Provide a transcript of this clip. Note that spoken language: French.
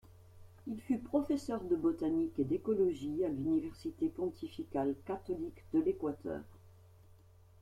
Il fut professeur de botanique et d'écologie à l'université pontificale catholique de l'Équateur.